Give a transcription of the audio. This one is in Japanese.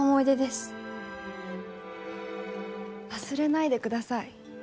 忘れないでください